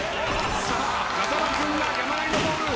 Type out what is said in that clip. さあ風間君が山なりのボール。